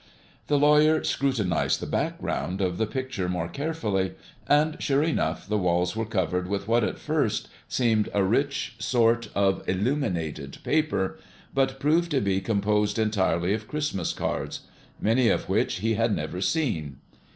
The lawyer scrutinized the background of the picture more carefully, and, sure enough, the walls were covered with what at first seemed a rich sort of illuminated paper, but proved to be composed entirely of Christmas cards, many of which he had never seen.